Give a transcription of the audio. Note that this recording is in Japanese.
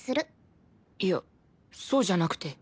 いやそうじゃなくて。